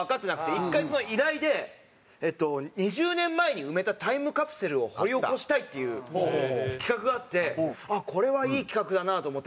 １回依頼でえっと２０年前に埋めたタイムカプセルを掘り起こしたいっていう企画があってこれはいい企画だなと思って。